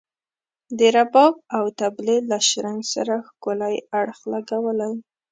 د رباب او طبلي له شرنګ سره ښکلی اړخ لګولی.